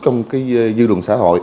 trong dư luận xã hội